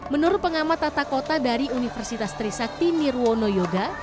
menurut pengamat tata kota dari universitas trisakti nirwono yoga